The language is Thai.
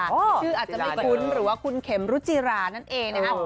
ชื่ออาจจะไม่คุ้นหรือว่าคุณเข็มรุจิรานั่นเองนะฮะ